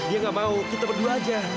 dia nggak mau kita berdua aja